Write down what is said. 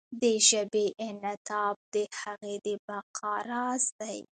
د ژبې انعطاف د هغې د بقا راز دی.